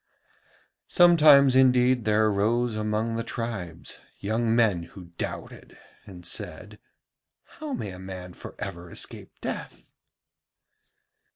Sometimes indeed there arose among the tribes young men who doubted and said: 'How may a man for ever escape death?'